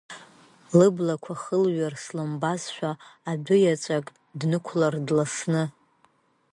Лыблақәа хылҩар слымбазшәа, дәы иаҵәак днықәлар дласны.